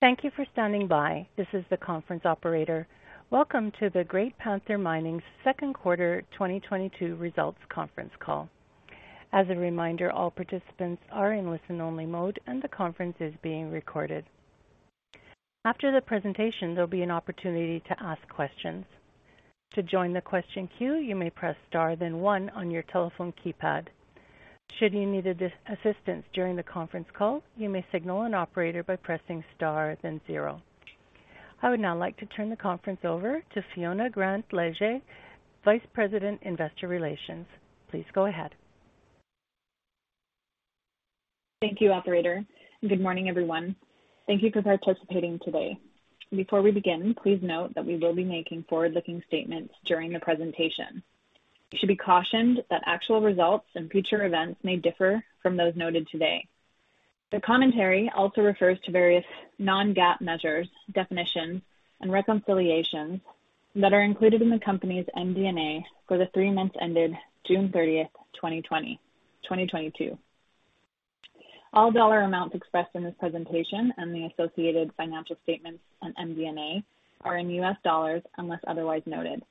Thank you for standing by. This is the conference operator. Welcome to the Great Panther Mining's Q2 2022 results Conference Call. As a reminder, all participants are in listen only mode and the conference is being recorded. After the presentation, there'll be an opportunity to ask questions. To join the question queue, you may press Star, then one on your telephone keypad. Should you need this assistance during the Conference Call, you may signal an operator by pressing Star, then zero. I would now like to turn the conference over to Fiona Grant Leydier, Vice President, Investor Relations. Please go ahead. Thank you, operator. Good morning, everyone. Thank you for participating today. Before we begin, please note that we will be making forward-looking statements during the presentation. You should be cautioned that actual results and future events may differ from those noted today. The commentary also refers to various non-GAAP measures, definitions and reconciliations that are included in the company's MD&A for the three months ended June 30, 2022. All dollar amounts expressed in this presentation and the associated financial statements and MD&A are in US dollars, unless otherwise noted.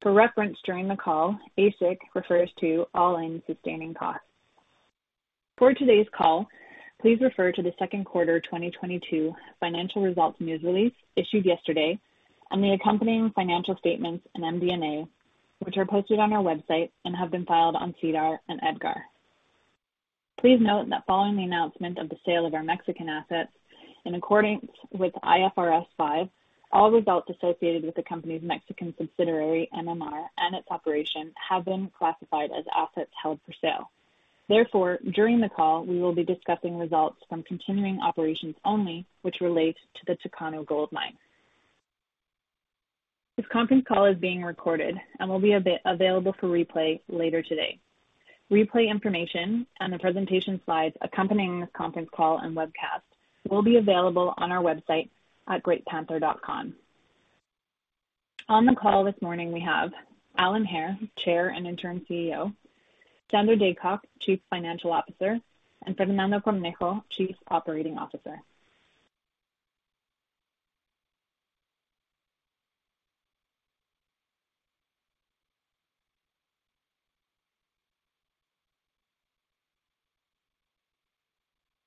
For reference during the call, AISC refers to all-in sustaining costs. For today's call, please refer to the Q2 2022 financial results news release issued yesterday and the accompanying financial statements and MD&A, which are posted on our website and have been filed on SEDAR and EDGAR. Please note that following the announcement of the sale of our Mexican assets in accordance with IFRS 5, all results associated with the company's Mexican subsidiary, MMR, and its operation have been classified as assets held for sale. Therefore, during the call, we will be discussing results from continuing operations only, which relate to the Tucano Gold Mine. This Conference Call is being recorded and will be available for replay later today. Replay information and the presentation slides accompanying this Conference Call and webcast will be available on our website at greatpanther.com. On the call this morning, we have Alan Hair, Chair and Interim CEO, Sandra Daycock, Chief Financial Officer, and Fernando A. Cornejo, Chief Operating Officer.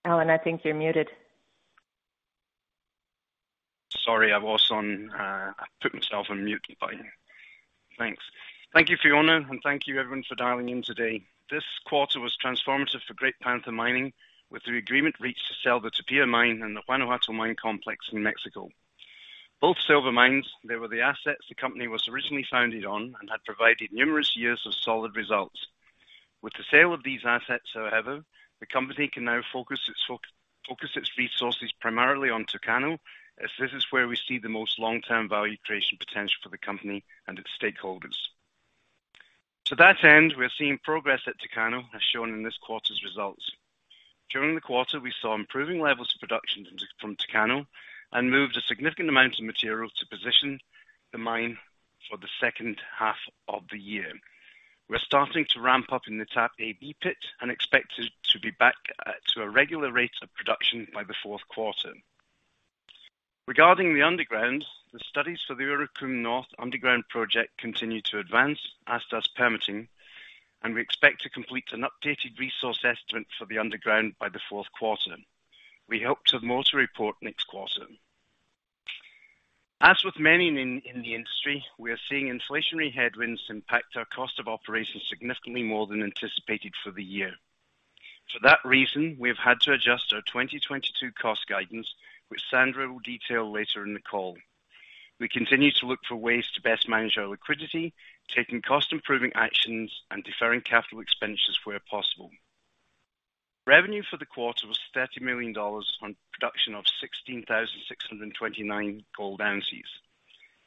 Alan Hair, I think you're muted. Sorry, I put myself on mute. Thanks. Thank you, Fiona, and thank you everyone for dialing in today. This quarter was transformative for Great Panther Mining, with the agreement reached to sell the Topia Mine and the Guanajuato Mine complex in Mexico. Both silver mines, they were the assets the company was originally founded on and had provided numerous years of solid results. With the sale of these assets, however, the company can now focus its resources primarily on Tucano, as this is where we see the most long-term value creation potential for the company and its stakeholders. To that end, we are seeing progress at Tucano, as shown in this quarter's results. During the quarter, we saw improving levels of production from Tucano and moved a significant amount of material to position the mine for the second half of the year. We're starting to ramp up in the TAP AB pit and expect it to be back to a regular rate of production by the Q4. Regarding the underground, the studies for the Urucum North Underground Project continue to advance, as does permitting, and we expect to complete an updated resource estimate for the underground by the Q4. We hope to model report next quarter. As with many in the industry, we are seeing inflationary headwinds impact our cost of operations significantly more than anticipated for the year. For that reason, we have had to adjust our 2022 cost guidance, which Sandra will detail later in the call. We continue to look for ways to best manage our liquidity, taking cost improving actions and deferring capital expenditures where possible. Revenue for the quarter was $30 million on production of 16,629 gold ounces.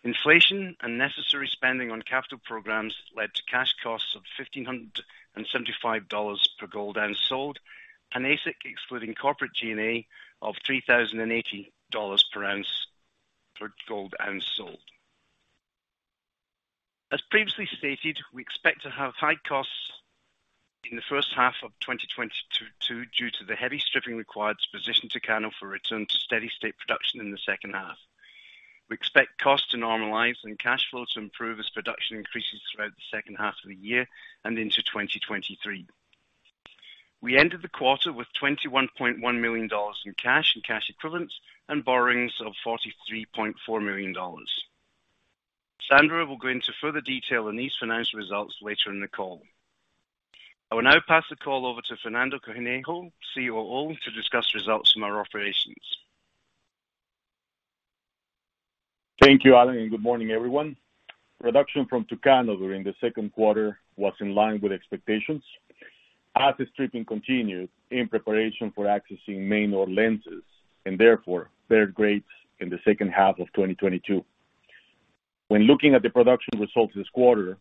Inflation and necessary spending on capital programs led to cash costs of $1,575 per gold ounce sold, and AISC excluding corporate G&A of $3,080 per gold ounce sold. We expect to have high costs in the first half of 2022 due to the heavy stripping required to position Tucano for return to steady state production in the second half. We expect costs to normalize and cash flow to improve as production increases throughout the second half of the year and into 2023. We ended the quarter with $21.1 million in cash and cash equivalents and borrowings of $43.4 million. Sandra will go into further detail on these financial results later in the call. I will now pass the call over to Fernando Cornejo, COO, to discuss results from our operations. Thank you, Alan, and good morning everyone. Production from Tucano during the Q2 was in line with expectations as the stripping continued in preparation for accessing main ore lenses and therefore better grades in the second half of 2022. When looking at the production results this quarter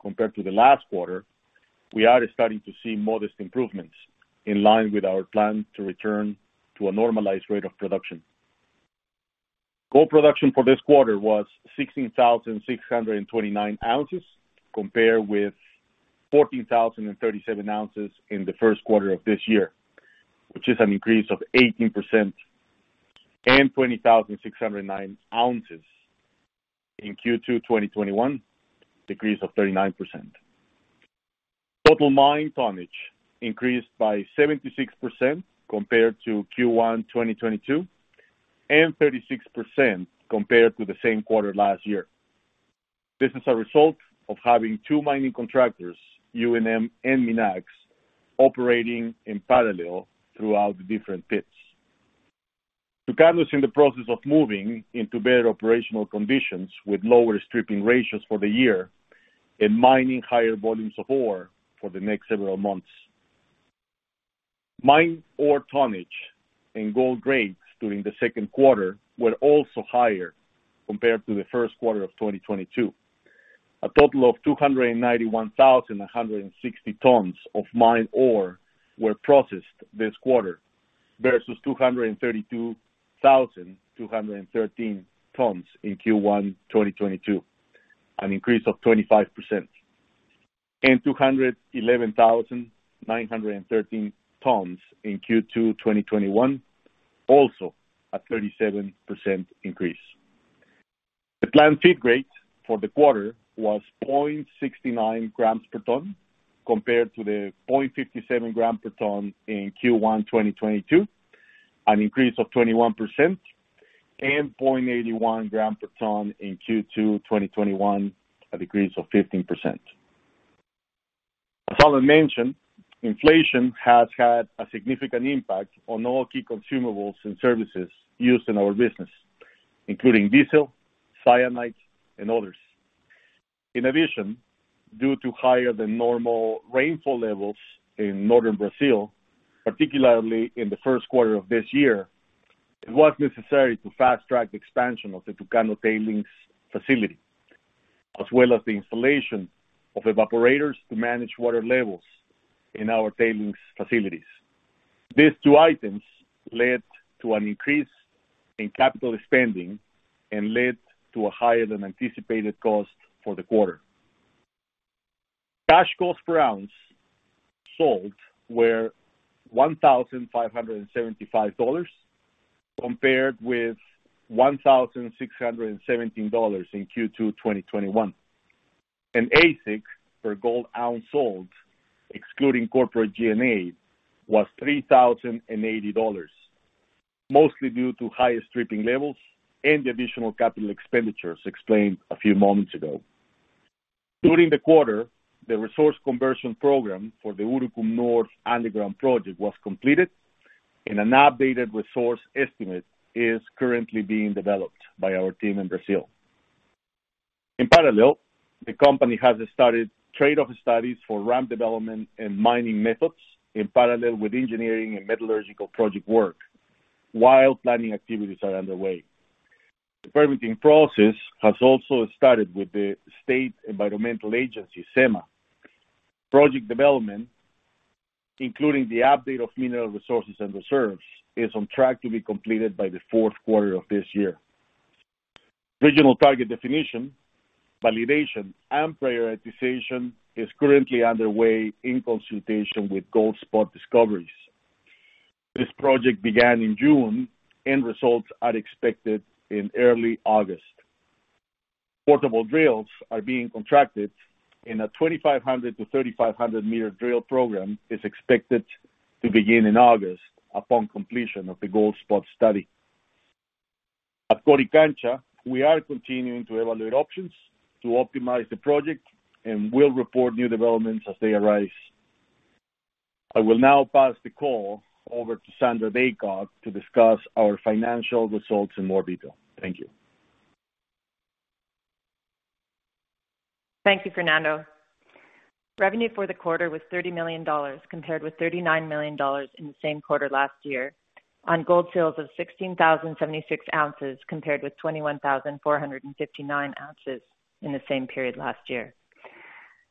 compared to the last quarter, we are starting to see modest improvements in line with our plan to return to a normalized rate of production. Gold production for this quarter was 16,629 ounces, compared with 14,037 ounces in the Q1 of this year, which is an increase of 18% and 20,609 ounces in Q2 2021, decrease of 39%. Total mine tonnage increased by 76% compared to Q1 2022 and 36% compared to the same quarter last year. This is a result of having two mining contractors, U&M and Minax, operating in parallel throughout the different pits. Tucano is in the process of moving into better operational conditions with lower stripping ratios for the year and mining higher volumes of ore for the next several months. Mine ore tonnage and gold grades during the Q2 were also higher compared to the Q1 of 2022. A total of 291,160 tons of mined ore were processed this quarter versus 232,213 tons in Q1 2022, an increase of 25%. Two hundred eleven thousand nine hundred and thirteen tons in Q2 2021, also a 37% increase. The planned feed grade for the quarter was 0.69 grams per ton compared to the 0.57 gram per ton in Q1 2022, an increase of 21% and 0.81 gram per ton in Q2 2021, a decrease of 15%. As Alan mentioned, inflation has had a significant impact on all key consumables and services used in our business, including diesel, cyanide and others. In addition, due to higher than normal rainfall levels in northern Brazil, particularly in the Q1 of this year, it was necessary to fast-track the expansion of the Tucano tailings facility, as well as the installation of evaporators to manage water levels in our tailings facilities. These two items led to an increase in capital spending and led to a higher than anticipated cost for the quarter. Cash cost per ounce sold were $1,575, compared with $1,617 in Q2 2021. AISC per gold ounce sold, excluding corporate G&A, was $3,080, mostly due to higher stripping levels and the additional capital expenditures explained a few moments ago. During the quarter, the resource conversion program for the Urucum North Underground Project was completed and an updated resource estimate is currently being developed by our team in Brazil. In parallel, the company has started trade-off studies for ramp development and mining methods in parallel with engineering and metallurgical project work while planning activities are underway. The permitting process has also started with the state environmental agency, SEMA. Project development, including the update of mineral resources and reserves, is on track to be completed by the Q4 of this year. Regional target definition, validation and prioritization is currently underway in consultation with GoldSpot Discoveries. This project began in June and results are expected in early August. Portable drills are being contracted and a 2,500-3,500-meter drill program is expected to begin in August upon completion of the GoldSpot study. At Coricancha, we are continuing to evaluate options to optimize the project and will report new developments as they arise. I will now pass the call over to Sandra Daycock to discuss our financial results in more detail. Thank you. Thank you, Fernando. Revenue for the quarter was $30 million, compared with $39 million in the same quarter last year. On gold sales of 16,076 ounces compared with 21,459 ounces in the same period last year.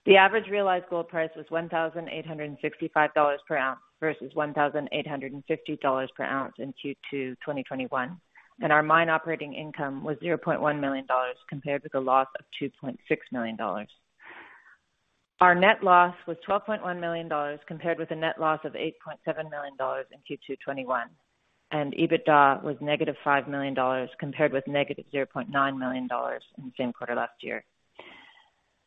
The average realized gold price was $1,865 per ounce versus $1,850 per ounce in Q2 2021. Our mine operating income was $0.1 million compared with a loss of $2.6 million. Our net loss was $12.1 million compared with a net loss of $8.7 million in Q2 2021. EBITDA was negative $5 million compared with negative $0.9 million in the same quarter last year.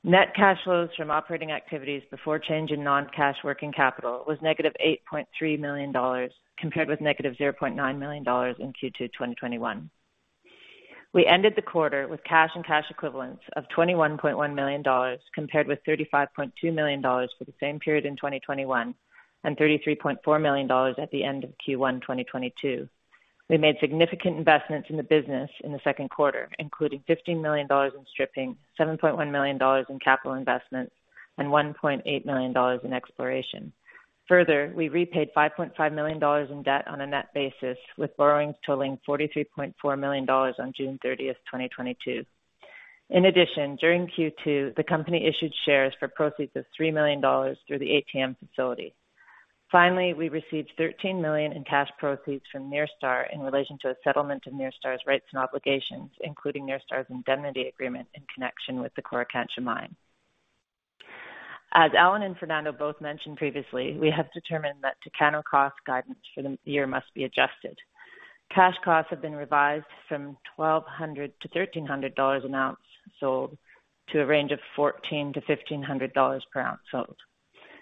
Net cash flows from operating activities before change in non-cash working capital was negative $8.3 million compared with negative $0.9 million in Q2 2021. We ended the quarter with cash and cash equivalents of $21.1 million compared with $35.2 million for the same period in 2021 and $33.4 million at the end of Q1 2022. We made significant investments in the business in the Q2, including $15 million in stripping, $7.1 million in capital investments and $1.8 million in exploration. Further, we repaid $5.5 million in debt on a net basis, with borrowings totaling $43.4 million on June 30, 2022. In addition, during Q2, the company issued shares for proceeds of $3 million through the ATM facility. Finally, we received $13 million in cash proceeds from Nyrstar in relation to a settlement of Nyrstar's rights and obligations, including Nyrstar's indemnity agreement in connection with the Coricancha mine. As Alan Hair and Fernando Cornejo both mentioned previously, we have determined that Tucano cost guidance for the year must be adjusted. Cash costs have been revised from $1,200-$1,300 per ounce sold to a range of $1,400-$1,500 per ounce sold,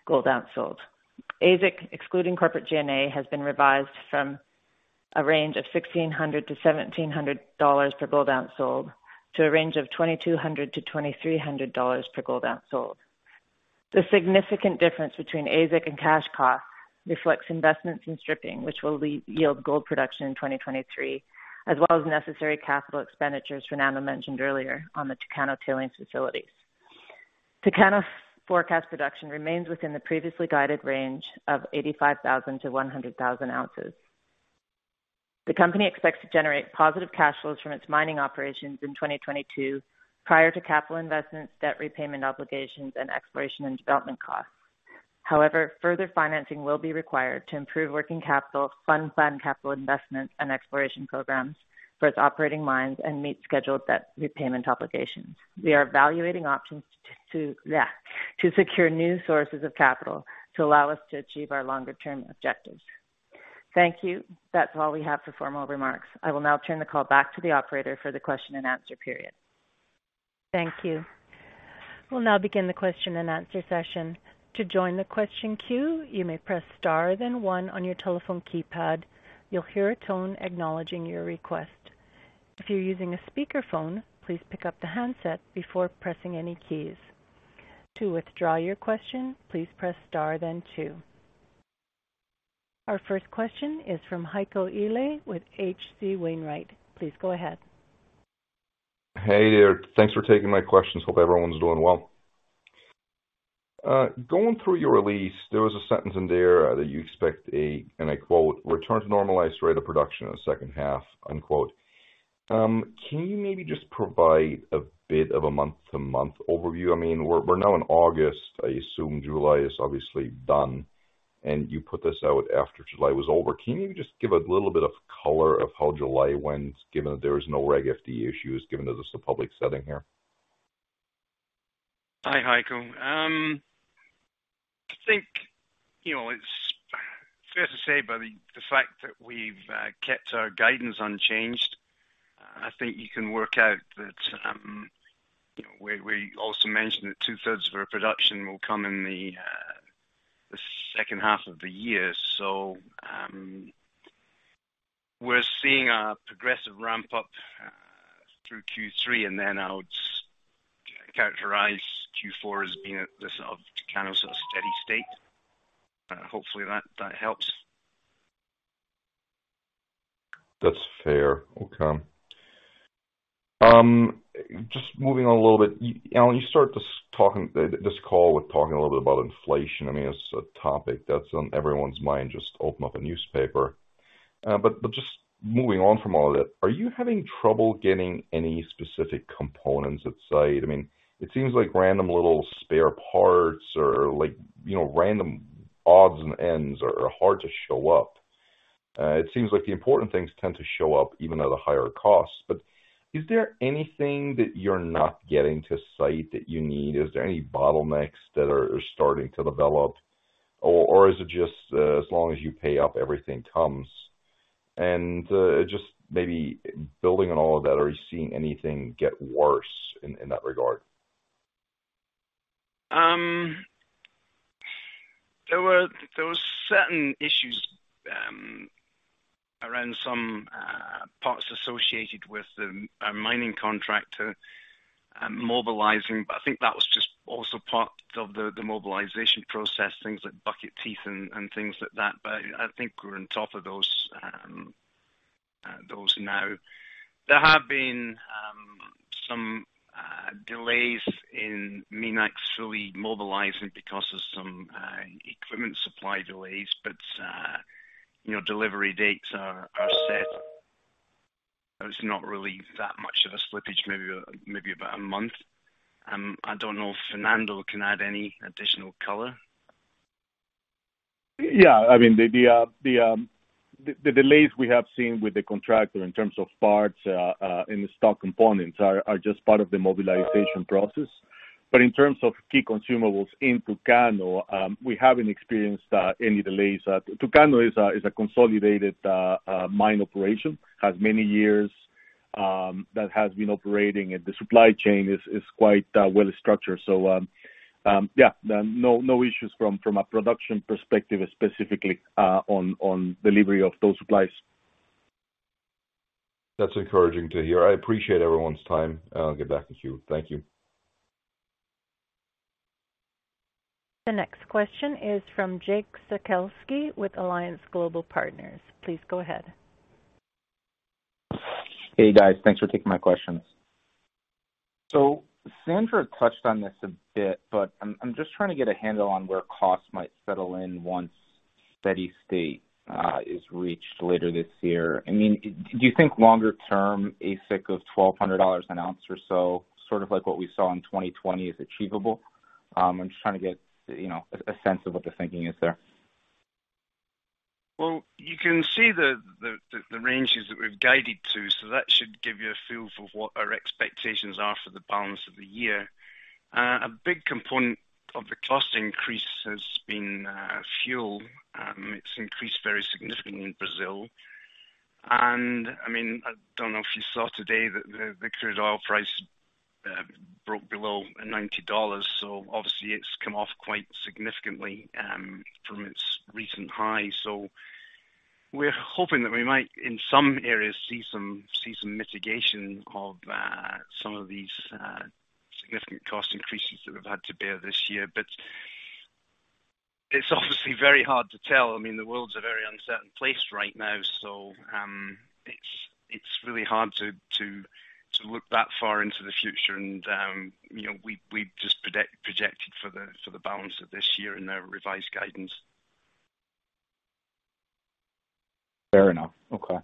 gold ounce sold. AISC, excluding corporate G&A, has been revised from a range of $1,600-$1,700 per gold ounce sold to a range of $2,200-$2,300 per gold ounce sold. The significant difference between AISC and cash cost reflects investments in stripping, which will yield gold production in 2023, as well as necessary capital expenditures Fernando mentioned earlier on the Tucano tailings facilities. Tucano forecast production remains within the previously guided range of 85,000-100,000 ounces. The company expects to generate positive cash flows from its mining operations in 2022 prior to capital investments, debt repayment obligations, and exploration and development costs. However, further financing will be required to improve working capital, fund planned capital investments and exploration programs for its operating mines and meet scheduled debt repayment obligations. We are evaluating options to secure new sources of capital to allow us to achieve our longer-term objectives. Thank you. That's all we have for formal remarks. I will now turn the call back to the operator for the question and answer period. Thank you. We'll now begin the question and answer session. To join the question queue, you may press star, then one on your telephone keypad. You'll hear a tone acknowledging your request. If you're using a speakerphone, please pick up the handset before pressing any keys. To withdraw your question, please press star then two. Our first question is from Heiko Ihle with H.C. Wainwright. Please go ahead. Hey there. Thanks for taking my questions. Hope everyone's doing well. Going through your release, there was a sentence in there that you expect a, and I quote, "Return to normalized rate of production in the second half," unquote. Can you maybe just provide a bit of a month-to-month overview? I mean, we're now in August. I assume July is obviously done, and you put this out after July was over. Can you just give a little bit of color of how July went, given that there was no Regulation FD issues, given that this is a public setting here? Hi, Heiko. I think, you know, it's fair to say by the fact that we've kept our guidance unchanged. I think you can work out that, you know, we also mentioned that two-thirds of our production will come in the second half of the year. We're seeing a progressive ramp up through Q3, and then I would characterize Q4 as being the sort of, kind of sort of steady state. Hopefully that helps. That's fair. Okay. Just moving on a little bit. Alan, you start this talking, this call with talking a little bit about inflation. I mean, it's a topic that's on everyone's mind, just open up a newspaper. Just moving on from all of it, are you having trouble getting any specific components at site? I mean, it seems like random little spare parts or like, you know, random odds and ends are hard to show up. It seems like the important things tend to show up even at a higher cost. Is there anything that you're not getting to site that you need? Is there any bottlenecks that are starting to develop? Is it just, as long as you pay up, everything comes? Just maybe building on all of that, are you seeing anything get worse in that regard? There were certain issues around some parts associated with our mining contractor mobilizing, but I think that was just also part of the mobilization process, things like bucket teeth and things like that. I think we're on top of those now. There have been some delays in Minax fully mobilizing because of some equipment supply delays, but you know, delivery dates are set. There's not really that much of a slippage, maybe about a month. I don't know if Fernando can add any additional color. Yeah. I mean, the delays we have seen with the contractor in terms of parts and the stock components are just part of the mobilization process. In terms of key consumables in Tucano, we haven't experienced any delays. Tucano is a consolidated mine operation, has many years that has been operating, and the supply chain is quite well structured. Yeah, no issues from a production perspective, specifically on delivery of those supplies. That's encouraging to hear. I appreciate everyone's time. I'll give back to you. Thank you. The next question is from Jake Cieszkowski with Alliance Global Partners. Please go ahead. Hey, guys. Thanks for taking my questions. Sandra touched on this a bit, but I'm just trying to get a handle on where costs might settle in once steady state is reached later this year. I mean, do you think longer-term AISC of $1,200 an ounce or so, sort of like what we saw in 2020 is achievable? I'm just trying to get, you know, a sense of what the thinking is there. Well, you can see the ranges that we've guided to, so that should give you a feel for what our expectations are for the balance of the year. A big component of the cost increase has been fuel. It's increased very significantly in Brazil. I mean, I don't know if you saw today that the crude oil price broke below $90, so obviously it's come off quite significantly from its recent highs. We're hoping that we might, in some areas, see some mitigation of some of these significant cost increases that we've had to bear this year. It's obviously very hard to tell. I mean, the world's a very uncertain place right now, it's really hard to look that far into the future. You know, we just projected for the balance of this year in our revised guidance. Fair enough. Okay.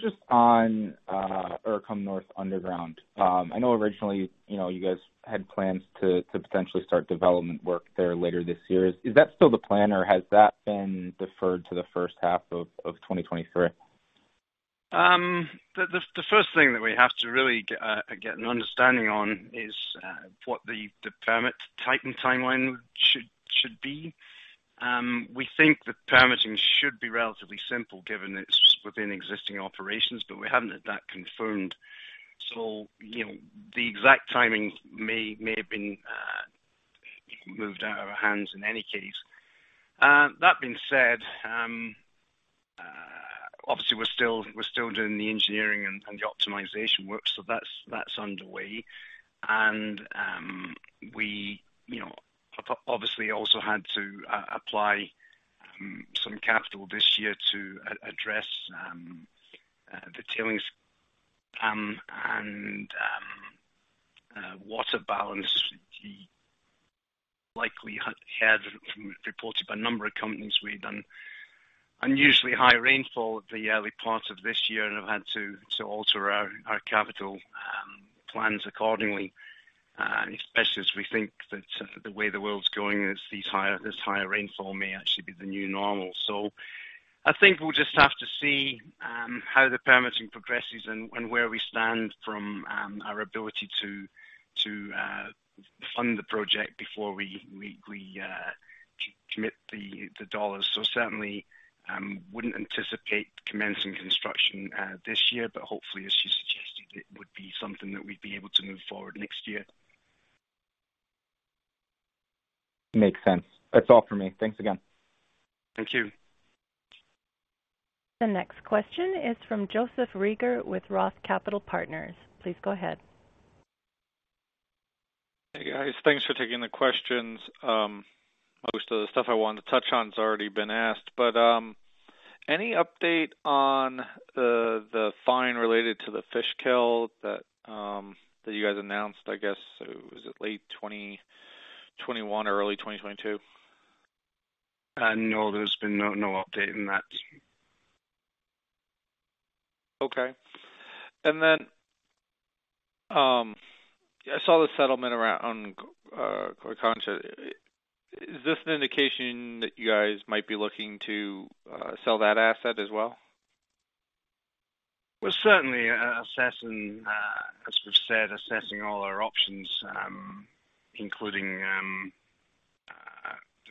Just on Urucum North Underground. I know originally, you know, you guys had plans to potentially start development work there later this year. Is that still the plan, or has that been deferred to the first half of 2023? The first thing that we have to really get an understanding on is what the permitting timeline should be. We think the permitting should be relatively simple given it's within existing operations, but we haven't had that confirmed. You know, the exact timing may have been moved out of our hands in any case. That being said, obviously we're still doing the engineering and the optimization work, so that's underway. You know, obviously also had to apply some capital this year to address the tailings and water balance. You likely heard from reports by a number of companies, we've had unusually high rainfall in the early part of this year, and have had to alter our capital plans accordingly, especially as we think that the way the world's going is this higher rainfall may actually be the new normal. I think we'll just have to see how the permitting progresses and where we stand from our ability to fund the project before we commit the dollars. Certainly, wouldn't anticipate commencing construction this year, but hopefully, as you suggested, it would be something that we'd be able to move forward next year. Makes sense. That's all for me. Thanks again. Thank you. The next question is from Joseph Reagor with Roth Capital Partners. Please go ahead. Hey, guys. Thanks for taking the questions. Most of the stuff I wanted to touch on has already been asked. Any update on the fine related to the fish kill that you guys announced, I guess, was it late 2021 or early 2022? No, there's been no update on that. Okay. I saw the settlement around Coricancha. Is this an indication that you guys might be looking to sell that asset as well? We're certainly assessing, as we've said, all our options, including the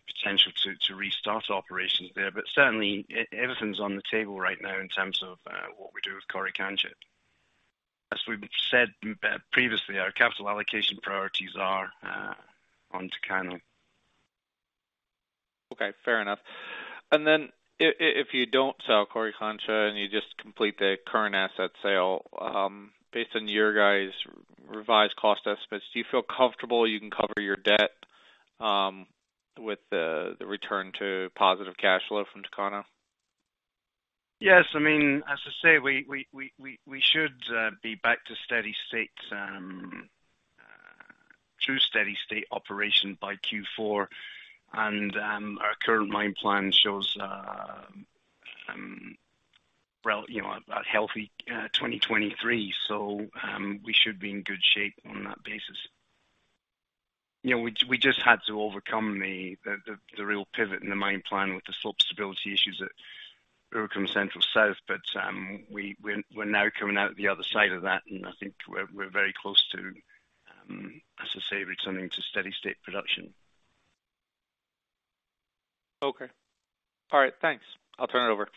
potential to restart operations there. Certainly everything's on the table right now in terms of what we do with Coricancha. As we've said previously, our capital allocation priorities are on Tucano. Okay, fair enough. Then if you don't sell Coricancha and you just complete the current asset sale, based on you guys' revised cost estimates, do you feel comfortable you can cover your debt with the return to positive cash flow from Tucano? Yes. I mean, as I say, we should be back to steady state through steady state operation by Q4. Our current mine plan shows, well, you know, a healthy 2023. We should be in good shape on that basis. You know, we just had to overcome the real pivot in the mine plan with the slope stability issues at Urucum Central South. We're now coming out the other side of that, and I think we're very close to, as I say, returning to steady state production. Okay. All right. Thanks. I'll turn it over.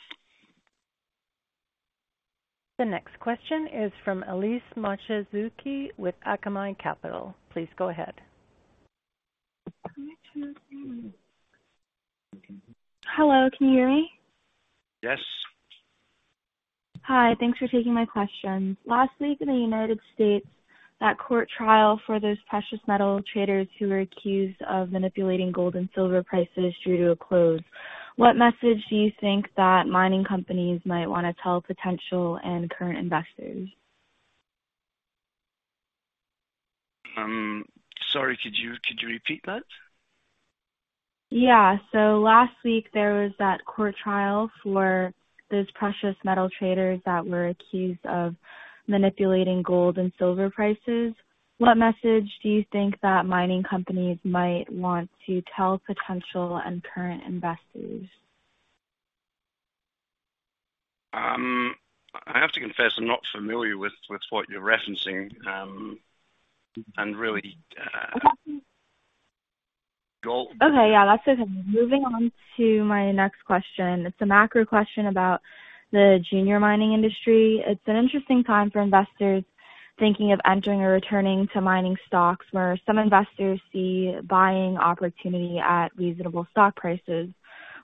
The next question is from Elise Mochizuki with Akamai Capital. Please go ahead. 1, 2, 3. Hello, can you hear me? Yes. Hi. Thanks for taking my questions. Last week in the United States, that court trial for those precious metal traders who were accused of manipulating gold and silver prices drew to a close. What message do you think that mining companies might wanna tell potential and current investors? Sorry, could you repeat that? Yeah. Last week there was that court trial for those precious metal traders that were accused of manipulating gold and silver prices. What message do you think that mining companies might want to tell potential and current investors? I have to confess, I'm not familiar with what you're referencing. Okay. Yeah, that's okay. Moving on to my next question. It's a macro question about the junior mining industry. It's an interesting time for investors thinking of entering or returning to mining stocks, where some investors see buying opportunity at reasonable stock prices.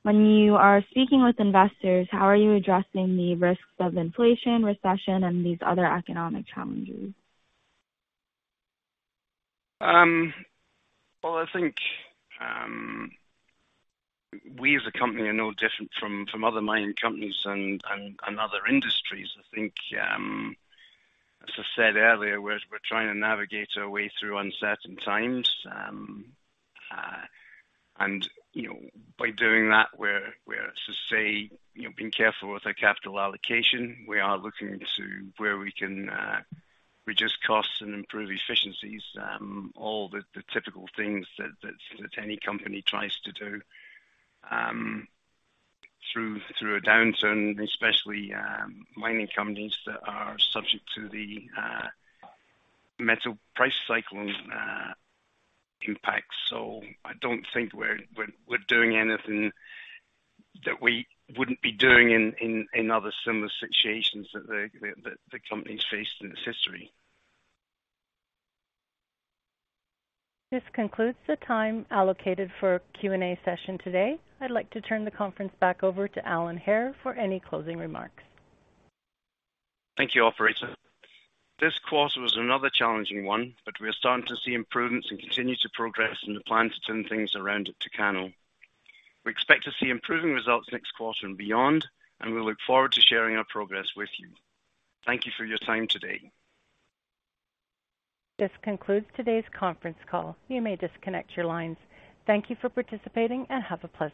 When you are speaking with investors, how are you addressing the risks of inflation, recession, and these other economic challenges? Well, I think we as a company are no different from other mining companies and other industries. I think as I said earlier, we're trying to navigate our way through uncertain times. You know, by doing that, we're being careful with our capital allocation. We are looking to where we can reduce costs and improve efficiencies. All the typical things that any company tries to do through a downturn, especially mining companies that are subject to the metal price cycling impact. I don't think we're doing anything that we wouldn't be doing in other similar situations that the company's faced in its history. This concludes the time allocated for Q&A session today. I'd like to turn the conference back over to Alan Hair for any closing remarks. Thank you, operator. This quarter was another challenging one, but we are starting to see improvements and continue to progress in the plan to turn things around at Tucano. We expect to see improving results next quarter and beyond, and we look forward to sharing our progress with you. Thank you for your time today. This concludes today's Conference Call. You may disconnect your lines. Thank you for participating, and have a pleasant day.